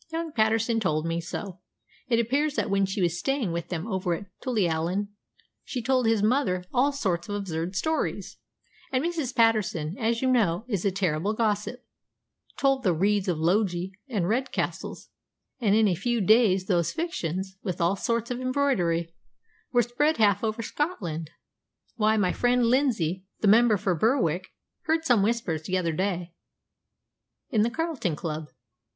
"Young Paterson told me so. It appears that when she was staying with them over at Tullyallan she told his mother all sorts of absurd stories. And Mrs. Paterson who, as you know, is a terrible gossip told the Reads of Logie and the Redcastles, and in a few days these fictions, with all sorts of embroidery, were spread half over Scotland. Why, my friend Lindsay, the member for Berwick, heard some whispers the other day in the Carlton Club!